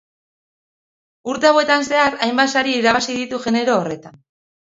Urte hauetan zehar hainbat sari irabazi ditu genero horretan.